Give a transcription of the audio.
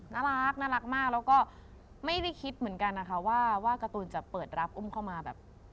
น่ารักมากแล้วก็ไม่ได้คิดเหมือนกันนะคะว่าการ์ตูนจะเปิดรับอุ้มเข้ามาแบบ